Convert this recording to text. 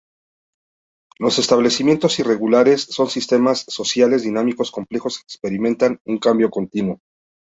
Los establecimientos irregulares son sistemas sociales dinámicos complejos que experimentan un cambio continuo.